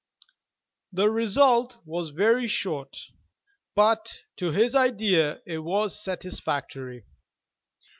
The result was very short, but, to his idea, it was satisfactory.